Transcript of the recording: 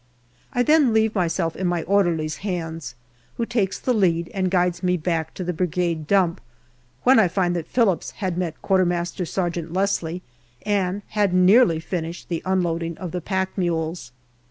I then leave myself in my orderly's hands, who takes the lead and guides me back to the Brigade dump, when I find that Phillips had met Q.M.S. Leslie and had nearly finished the unloading of the pack mules.